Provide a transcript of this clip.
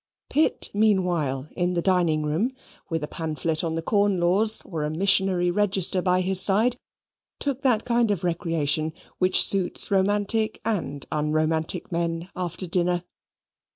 Pitt meanwhile in the dining room, with a pamphlet on the Corn Laws or a Missionary Register by his side, took that kind of recreation which suits romantic and unromantic men after dinner.